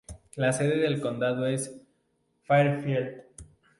La sede del condado es Fairfield.